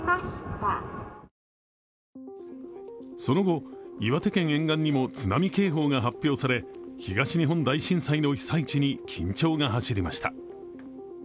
その後、岩手県沿岸にも津波警報が発表され、東日本大震災の被災地に緊張が走りました。